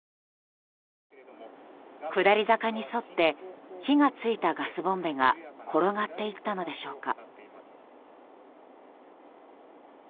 下り坂に沿って火が付いたガスボンベが転がっていったのでしょうか。